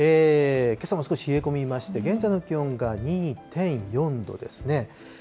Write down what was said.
けさも少し冷え込みまして、現在の気温が２．４度ですね。